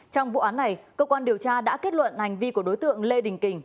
trong vụ án này cơ quan điều tra đã kết luận hành vi của đối tượng lê đình kình